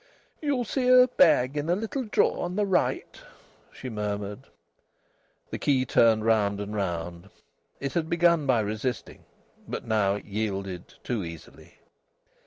"You'll see a bag in the little drawer on the right," she murmured. The key turned round and round. It had begun by resisting, but now it yielded too easily.